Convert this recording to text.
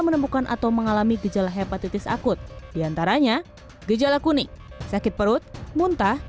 menemukan atau mengalami gejala hepatitis akut diantaranya gejala kuning sakit perut muntah